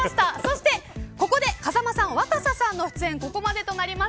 そして、ここで風間さん若狭さんの出演ここまでとなります。